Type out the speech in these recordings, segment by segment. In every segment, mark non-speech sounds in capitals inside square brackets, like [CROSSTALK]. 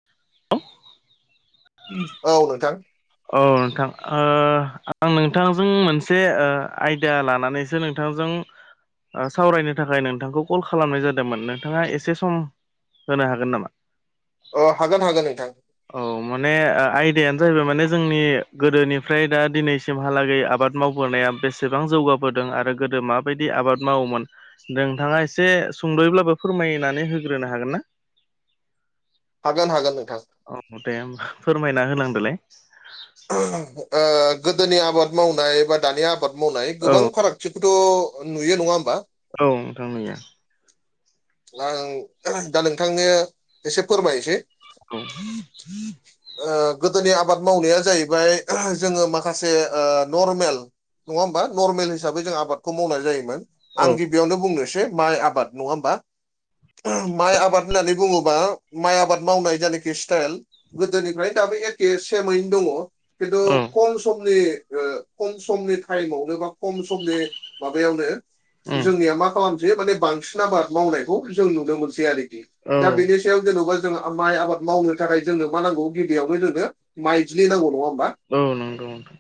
[INAUDIBLE] औ नोंथां औ नोंथां आं नोंथांजों मोनसे आयदा लानानै नोंथांजों सावरायनो थाखाय नोंथांखौ कल खालामनाय जादोंमोन नोंथांङा एसे सम होनो हागोन नामा? अ हागोन हागोन नोंथां औ माने आयदियानो जाहैबाय माने जोंनि गोदोनिफ्राय दा दिनैसिमहालागै आबाद मावबोनाया बेसेबां जौगाबोदों आरो गोदो मा बायदि आबाद मावोमोन नोंथांङा एसे सुंद'यैब्लाबो फोरमायनानै होग्रोनो हागोन ना हागोन हागोन नोंथां औ दे होमबा फोरमायना होनांदोलाय ओ गोदोनि आबाद मावनाय बा दानि आबाद मावनाय औ गोबां फारागथिखौथ' नुयो नंङा होमबा औ नोंथांनिया आं दा नोंथांनो एसे फोरमायनोसै औ गोदोनि आबाद मावनाया जाहैबाय जोंङो माखासे नर्मेल नंङा होमबा नर्मेल हिसाबै जों आबादखौ मावनाय जायोमोन औ आं गिबियावनो बुंनोसै माइ आबाद नंङा होमबा माइ आबाद होननानै बुंङोबा माइ आबाद मावनाय जायनाखि स्टाइल गोदोनिफ्रायनो दाबो एखे सेमैनो दंङो खिन्थु खम समनि खम समनि टाइमावनो बा खम समनि माबायावनो औ जोंनिया मा खालामसै माने बांसिन आबाद मावनाय खौ जों नुनो मोनसै आरोखि दा बेनि औ सायाव जेनेबा जोंङो माइ आबाद मावनो थाखाय जोंनो मा नांगौ गिबियावनो जोंनो माइज्लि नांगौ नंङा होमबा औ नंगौ नोंथां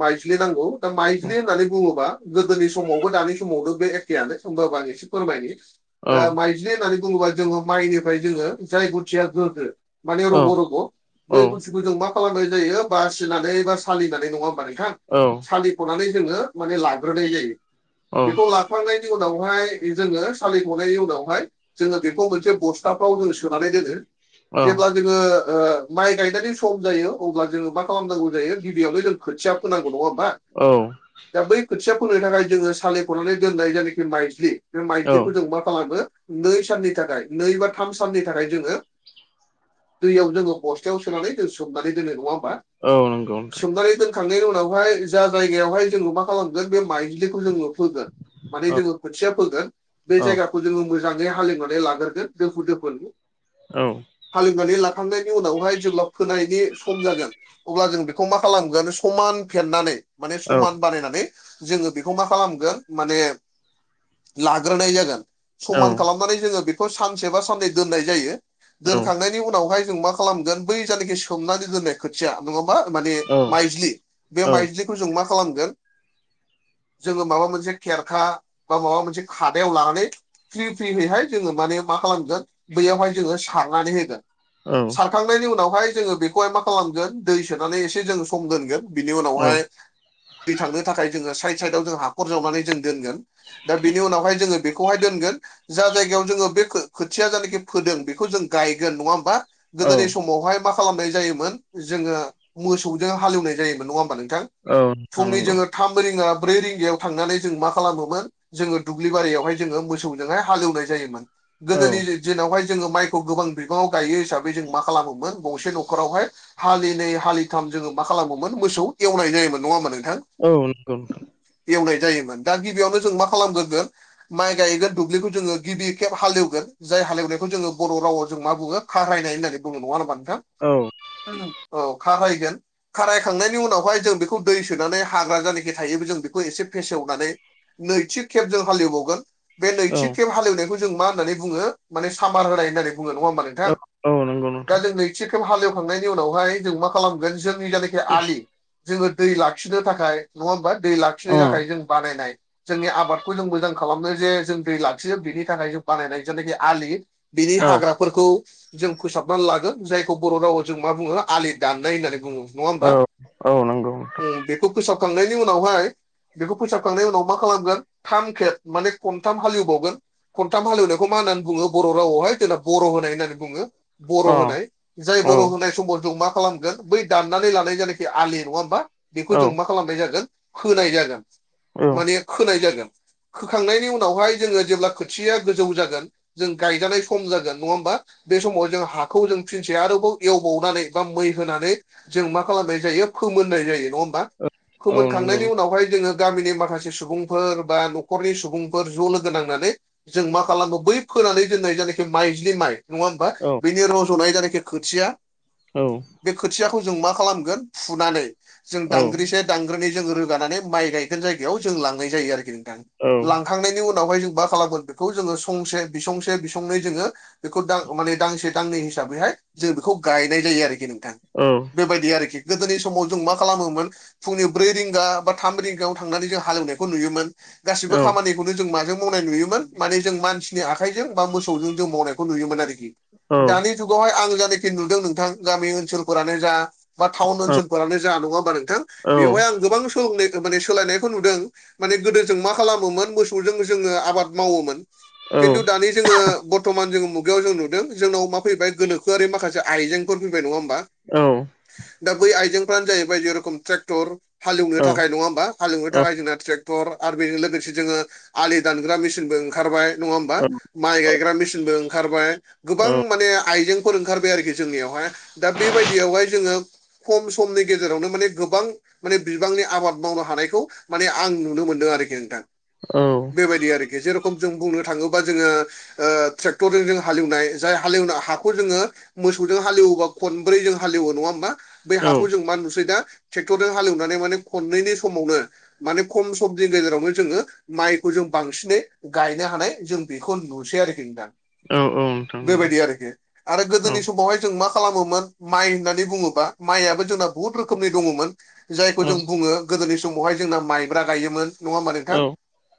माइज्लि नांगौ दा माइज्लि होननानै बुंङोबा गोदोनि समावबो दानि समावबो बे एखेयानो होमबाबो आं एसे फोरमायनो माइज्रि होननानै बुंङोब्ला जोंङो माइनिफ्राय जोंङो फाय गुथिया जादों। माने रग' रग' बै गुथिखौ जों मा खालामनाय जायो बार सोनानै बा सालिनानै नंङा होमबा नोंथां औ सालिख'नानै जोंङो माने लाग्रोनाय जायो औ बेखौ ला सुखांनायनि उनावहाय जोङो सालि खनायनि उनावहाय जोङो बेखौ मोनसे बस्थाफ्राव जोङो सोनानै दोनो औ जेब्ला जोङो ओ माइ गायनायनि सम जायो अब्ला जोङो मा खालामनांगौ जायो गिबियावनो जों खोथिया फोनांगौ नङा ओमबा औ दा बै खोथिया फोननो थाखाय जोङो सालिख'नानै दोननाय जायनोखि माइज्लि बे माइज्लि खौ मा खालामो नै साननि थाखाय नै बा थाम साननि थाखाय जोङो दैयाव जोङो बस्थायाव सोनानै जों सोमनानै दोनो नङा ओमबा औ नंगौ नोंथां सोमनानै दोन खांनायनि उनावहाय जा जायगायावहाय जोङो मा खालामगोन बे माइज्लिखौ जोङो फोगोन माने जोङो खोथिया फोगोन बे औ जायगा खौ जोङो मोजाङै हाले एवनानै लाग्रोदो दोफो दोफोन औ हाल एवनानै लाखांनायनि उनावहाय जेब्ला फोनायनि सम जागोन अब्ला जों बेखौ मा खालामगोन समान फेननानै माने औ समान बानायनानै जोङो बेखौ मा खालामगोन माने ला ग्रोनाय जागोन औ समान खालामनानै जोङो बेखौ सानसे बा साननै दोननाय जायो दोनखांनाय नि उनावहाय जों मा खालामगोन बै जानोखि सोमनानै दोनो खोथिया नङाबा माने औ माइज्लि बे माइज्लि खौ जों मा खालामगोन जोङो माबा मोनसे खेरखा बा माबा मोनसे खादायाव लानानै फ्रि फ्रियैहाय जोङो माने मा खालामगोन बैयावहाय जोङो सारनानै होगोन। औ सारखांनायनि उनावहाय जोङो बेखौहाय मा खालामगोन दै सोनानै एसे जोङो सम दोनगोन। बिनि औ उनावहाय दै थांनो थाखाय जोङो साइद साइदाव जों हाखर जावनानै जों दोनगोन दा बे नि उनावहाय जोङो बेखौहाय दोनगोन जा जायगायाव जोङो बे खोथिया जानोखि फोदों बेखौ जों गायगोन नङा ओमबा गोदोनि समावहाय मा खालामनाय जायोमोन जोङो मोसौजों हाल एवनाय जायोमोन नङा ओमबा नोंथां? नोंथां फुंनि नंगौ जोङो थाम रिंगा ब्रै रिंगायाव थांनानै जों मा खालामोमोन जोङो दुब्लि बारियावहाय जोङो मोसौजोंहाय हाल एवनाय जायोमोन औ गोदोनि जिनावहाय जोङो माइखौ गोबां बिबाङाव गायो हिसाबै जों मा खालामोमोन गंसे नखरावहाय हालिनै हालिथाम जोङो मा खालामोमोन मोसौ एवनाय जायोमोन नङा ओमबा नोंथां? औ नंगौ नोंथां। एवनाय जायोमोन दा गिबियावनो जों मा खालामग्रोगोन माइ गायगोन दुब्लिखौ जोङो गिबि खेब हाल एवगोन जाय हाल एवनायखौ जोङो बर' रावाव जों मा बुङो खारायनाय होननानै बुङो नङा ओमबा नोंथां? औ औ खारायगोन खारायखांनायनि उनावहाय जों बेखौ दै सोनानै हाग्रा जायनाखि थायो जों बेखौ एसे फेसेवनानै नैथि खेब जों हाल एवबावगोन बे नैथि खेब औ हाल एवनायखौ जों मा होननानै बुङो माने सामार होनाय होननानै बुङो नङा ओमबा औ नोंथां औ नंगौ दा नोंथां जों नैथि खेब हाल एवखांनायनि उनावहाय जों मा खालामगोन जोंनि जायनोखि आलि जोङो दै लाखिनो थाखाय नङा ओमबा दै लाखिनो अ थाखाय जों बानायनाय जोंनि आबाद खौ मोजां खालामनो जे जों दै लाखियो बेनि थाखाय जों बानायनाय जायनोखि आलि बिनि औ हाग्रा फोरखौ जों फोसाबनानै लागोन जायखौ बर' रावाव जों मा बुङो आलि दाननाय होननानै बुङो। नङा ओमबा औ औ नंगौ नोंथां उम बेखौ फोसाबखांनायनि उनावहाय बेखौ फोसाबखांनायनि उनाव मा खालामगोन थाम खेब माने खनथाम हाल एवबावगोन खनथाम हाल एवनायखौ मा होननानै बुङो बर' रावावहाय जोंना बर' होनाय होननानै बुङो बर' अ होनाय जाय औ बर' होनाय समाव जों मा खालामगोन बै दाननानै लानाय जायनोखि आलि नङा ओमबा औ बेखौ जों मा खालामनाय जागोन खोनाय जागोन माने खोनाय जागोन। फोखांनायनि उनावहाय जोङो जेब्ला खोथिया गोजौ जागोन जों गायजानाय सम जागोन नङा होमबा बे समाव जों हाखौ जों फिनसे आरोबाव एवबावनानै बा मै होनानै जों मा खालामनाय जायो फोमोननाय जायो नङा होमबा औ नंगौ खोमोनखांनायनि उनावहाय जोङो गामिनि माखासे सुबुंफोर बा न'खरनि सुबुंफोर ज' लोगो नांनानै जों मा खालामो बै फोनानै दोनै जायनाखि माइज्लि माइ नङा होमबा औ बेनि उनाव र'जनाय जानाखि खोथिया औ बे खोथियाखौ जों मा खालामगोन फुनानै जों दांग्रिसे दांग्रोनै जों रोगाननै माइ गायगोन जायगायाव जों लांनाय जायो आरोखि नोंथां लां खांनायनि उनावहाय जों मा खालामगोन बेखौ जोङो संसे बिसंसे बिसंनै जोङो बेखौ दां माने दांसे दांनै हिसाबैहाय जों बेखौ गायनाय जायो आरोखि नों थां बेबायदि आरोखि गोदोनि समाव जों मा खालामोमोन फुंनि ब्रै रिंगा बा थाम रिंगायाव थांनानै जों हालेवनायखौ नुयोमोन गासिबो खामानि नो जों माजों मावनाय नुयोमोन माने जों मानसिनि आखाइजों बा मोसौजों जों मावनायखौ नुयोमोन आरोखि दानि जुगावहाय आं जायनाखि नुदों नोंथां गामि ओनसोलफोरानो जा बा टाउन ओनसोलफोरानो जों नङा होमबा नोंथां बेवहाय गोबां सोलंनाय माने सोलायनायखौ नुदों माने गोदो जों मा खालाम मोसौ जोङो आबाद मायोमोन खिन्थु दानि जोङो बर्थमान जोङो मु जों नुदों जोंनाव मा फैबाय गोनोआरि माखासे आजेंफोर फैबाय नङा होम बा दा बै आइजेंफ्रानो जाहैबाय जेरखम ट्रेक्टर हालेवनो औ थाखाय नङा होमा हालेवनो औ थाखाय जोंना ट्रेक्टर आरो बेजों लोगोसे जोङो आलि दानग्रा मेसिनबो ओंखारबाय नङा होमबा औ माइ गायग्रा मेसिनबो ओंखारबाय औ गोबां माने आइजें फोर ओंखारबाय आरोखि जोंनियावहाय दा बेबायदियावहाय जोङो खम समनि गेजेरावनो माने गोबां माने बिबांनि आबाद मावनो हानायखौ माने आं नुनो मोन दों आरोखि नोंथां औ बेबायदि आरोखि जेरखम जों बुंनो थाङोबा जोङो ओ ट्रेक्टरजों जों हालेवनाय जाय हालेवना हाखौ जोङो मोसौजों हालेवोबा खनब्रै जों हालेवो नङा होमबा बै औ हाखौ जों मा नुसै दा ट्रेक्टरजों हालेवनानै माने खननैनि समावनो माने खम समनि गेजेरावनो जोङो माइखौ जों बांसिनै गायनो हानाय जों बेखौ नुसै आरोखि नोंथां औ नोंथां नंगौ बेबायदि आरोखि आरो औ गोदोनि समावहाय जों मा खालामोमोन माइ होननानै बुङोबा माइआबो जोंना बुहुत रोखोमनि दङमोन जायखौ औ जों बुङो गोदोनि समावहाय जोंना माइब्रा गायोमोन नङा होमबा नोंथां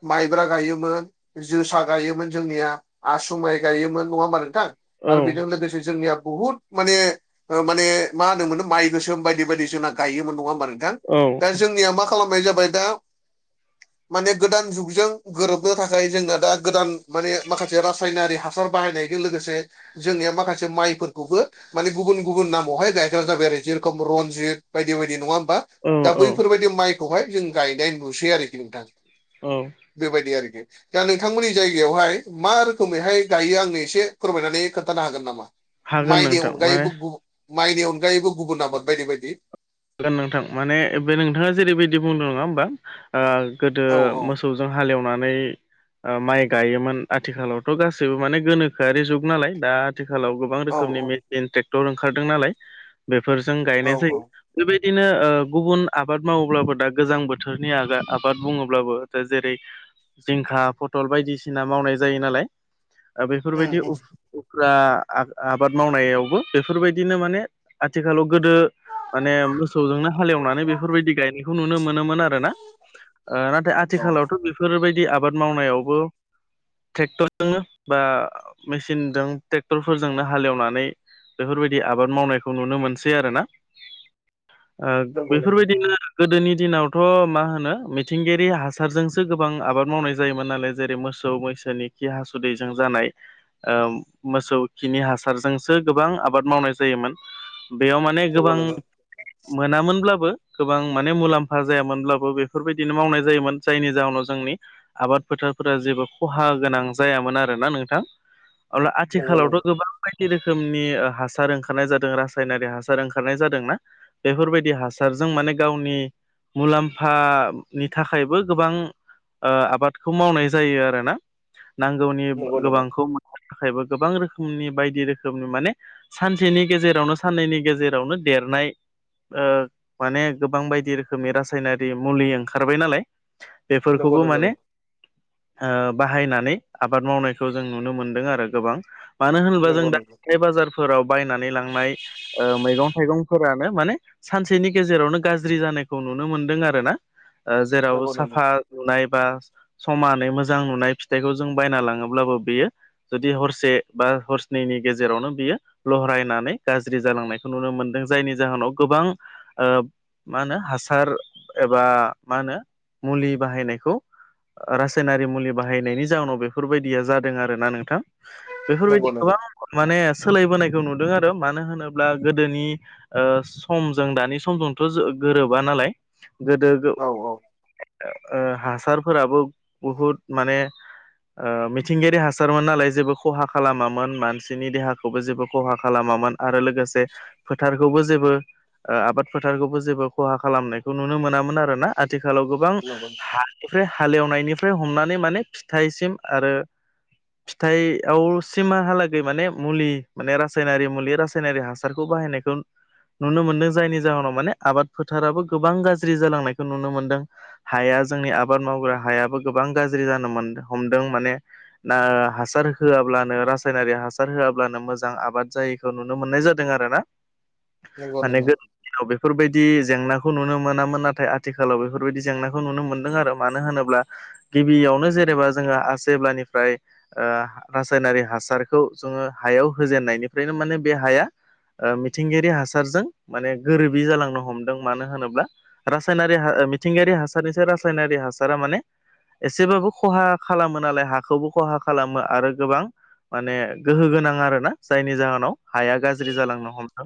माइब्रा गायोमोन जोसा गायोमोन जोंनिया आसु माइ गायोमोन नङा होमबा नोंथां औ आरो बेजों लोगोसे जोंनिया बुहुद माने माने मा होनोमोन माइ गोसोम बायदि बायदि जोंना गायोमोन नङा होबमा नों थां औ दा जोंनिया मा खालामनाय जाबाय दा माने गोदान जुगजों गोरोबनो थाखाय जोंना दा गोदान माने माखासे रासायनारि हासार बाहायनाय बे जों लोगोसे जोंनि माखासे माइफोरखौबो माने गुबुन गुबुन नामावहाय गायग्रा जाबाय आरो जेरखम रनजित बायदि बायदि नङा होमबा औ हागोन दा नोंथां माने बैफोरबायदि माइखौहाय जों गायनाय नुसै आरोखि नोंथां औ बेबायदि आरोखि दा नोंथांमोननि जायगायावहाय मा रोखोमैहाय गायो आंनो एसे फोरमायनानै खोन्थानो हागोन नामा हागोन माइनि नोंथां माने अनगायैबो गु माइनि अनगायैबो गुबुन आबाद बायदि बायदि नोंथां माने बे नोंथाङा जेरैबायदि बुंदों नङा होमबा आ गोदो औ मोसौजों हाले एवनानै माइ गायोमोन आथिखालावथ' गासैबो माने गोनोखोआरि जुग नालाय दा आथिखालाव गो गोबां औ रोखोमनि मेसिन ट्रेक्टर ओंखारदों नालाय बेफोरजों औ गायनाय औ जायो बेबायदिनो गुबुन आबाद मावोब्लाबो दा गोजां बोथोरनि आ आबाद बुङोब्लाबो दा जेरै जिंखा फटल बायदिसिना मावनाय जायो नालाय उम बेफोरबायदि उम उफ्रा आबाद मावनायावबो बेफोरबायदिनो माने आथिखालाव गोदो माने मोसौजोंनो हालेवनानै बेफोरबायदि गायनायखौ नुनो मोनोमोन आ रोना नाथाय औ आथिखालावथ' बेफोरबायदि आबाद मावनायावबो ट्रेक्टरजोंनो बा मेसिनजों ट्रेक्टरफोरजोंनो हालेवनानै बेफोरबायदि आबाद मावनायखौ नुनो मोनसै आरोना नंगौ नंगौ बेफोरबायदिनो गोदोनि दिनावथ' मा होनो मिथिंगायारि हासारजोंसो गोबां आबाद मावनाय जायोमोन नालाय जेरै मोसौ मै सोनि खि हासुदैजों जानाय मोसौ खिनि हासारजोंसो गोबां आबाद मावनाय जायोमोन बेयाव माने गोबां मोनामोनब्लाबो गोबां माने मुलाम्फा जायामोनब्लाबो बेफोरबायदिनो मावनाय जायोमोन जायनि जाहोनाव जोंनि आबाद फोथारफोरा जेबो खहा गोनां जायामोन आरोना नोंथां अब्ला नंगौ नंगौ आथिखालावथ' गोबां बायदि रोखोमनि हासार ओंखारनाय जादों रासायनारि हासार ओं खारनाय जादोंना बेफोरबायदि हासारजों माने गावनि मुलाम्फानि थाखायबो गोबां ओ आबादखौ मावनाय जायो आरोना नांगौनि नंगौ गोबांखौ थाखायबो गोबां रोखोमनि बायदि रोखोमनि माने सानसेनि गेजेरावनो साननैनि गेजे रावनो देरनाय माने गोबां बायदि रोखोमनि रासायनारि मुलि ओंखारबाय नालाय नंगौ नंगौ बेफोरखौबो माने बाहायनानै आबाद मावनायखौ जों नुनो मोनदों आरो गोबां मानो होनोबा जों नंगौ नंगौ दा माइ बाजारफोराव बायनानै लांनाय ओ मैगं थाइगंफोरानो माने सानसेनि गेजेरावनो गाज्रि जानायखौ नुनो मोनदों आरो ना जेराव नंगौ नंगौ साफा नुनाय बा समानै मोजां नुनाय फिथाइखौ जों बायना लाङोब्लाबो बेयो जुदि हरसे बा हरस्ननि गेजेरावनो बियो लहरायनानै गाज्रि जालांनाय नुनो मोनदों जायनि जाहोनाव गोबां मा होनो हासार एबा मा होनो मुलि बाहायनायखौ रासायनारि मुलि बाहायनायनि जााहनाव बेफोरबायदिया जादों आरोना नोंथां बेफोरबायदि नंगौ नंगौ गोबां माने सोलायबोनायखौ नुदों आरो मानो होनोब्ला गोदोनि समजों दानि समजोंथ' गोरोबा नालाय गोदो गो औ औ ओ हासारफोराबो बहुद माने मिथिंगायारि हासारमोन नालाय जेबो खहा खालामामोन मानसिनि देहाखौबो जेबो खहा खालामामोन आरो लोगोसे फोथारखौबो जेबो आबाद फोथारखौबो जेबो खहा खालामनायखौ नुनो मोनामोन आरोना आथिखालाव गोबां नंगौ हा बेफ्राय हाले एवनायनिफ्राय हमनानै माने फिथाइसिम आरो फिथायाव सिमहालागै माने मुलि माने रासायनारि मुलि रासायनारि हास रखौ बाहायनायखौ नुनो मोनदों जायनि जाहोनाव माने आबाद फोथाराबो गोबां गाज्रि जालांनायखौ नुनो मोनदों हाया जोंनि आबाद मावग्रा हायाबो गोबां गाज्रि जानो मोन हमदों माने ना हासार होआाब्लानो रासायनारि हासार होआब्लानो मोजां आबाद जायैखौ नुनो मोननाय जाद जों आरोना नंगौ माने नंगौ गो दिनाव बेफोरबायदि जेंनाखौ नुनो मोनामोन नाथाय आथिखालाव बेफोरबायदि जेंनाखौ नुनो मोनदों आरो मानो होनोब्ला गिबियावनो जेनेबा जोङो जेब्लानिफ्राय रासायनारि हासारखौ जोङो हायाव होजेननायनिफ्रायनो माने बे हाया मिथिंगायारि हासारजों माने गोरोबि जालांनो हमदों मानो होनोब्ला रासायनारि मिथिंगायारि हासारनिसाय रासायनारि हासारा माने एसेबाबो खहा खालामो नालाय हाखौबो खहा खालामो आरो गोबां माने गोहो गोनां आरोना जायनि जाहोनाव हाया गा ज्रि जालानो हमदों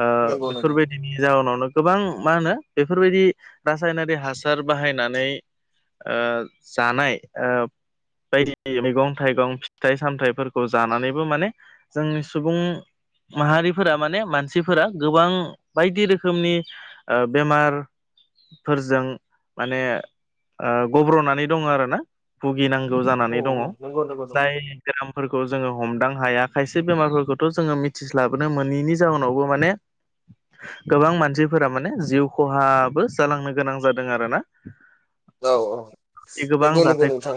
ओ नंगौ नंगौ बेफोरबाय दिनि जाहोनावनो गोबां मा होनो बेफोरबायदि रासायनारि हासार बाहायनानै ओ जानाय ओ बायदि मैगं थाइगं फिथाइ सामथाइफोरखौ जानानैबो माने जोंनि सुबुं माहारिफोरा माने मानसिफोरा गोबां बायदि रोखोमनि ओ बेमार फोरजों माने ओ गब्र'नानै दङ आरोना भुगिनांगौ जानानै उम दङ उम नंगौ नंगौ नंगौ जाय बेरामफोरखौ जोङो हमदां हाया खायसे बेमारफोरखौथ' जोङो मि थि स्लाबनो मोनिनि जाउनावबो माने गोबां मानसिफोरा माने जिउ खहाबो जालांनो गोनां जादों आरोना औ औ बे गोबां नंगौ नंगौ नोंथां जाथायखौ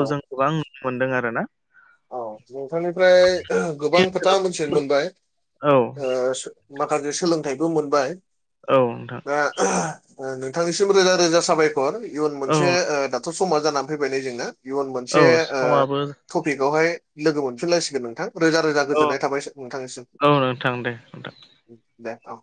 औ जों गोबां नुनो मोनदों आरोना औ नोंथांनिफ्राय गोबां खोथा मिथिनो मोनबाय औ ओ माखासे सोलोंथाइबो मोनबाय औ नोंथां दा नोंथांनिसिम रोजा रोजा साबायखर इयुन औ मोनसे थ' समा जानानै फैबाय नै जोंना इयुन औ मोनसे ओ समाबो टपिक आवहाय लोगो मोनफिनलायसिगोन नोंथां रोजा रोजा औ गोजोननाय थाबाय सो नोंथांनिसिम औ नोंथां दे नोंथां दे औ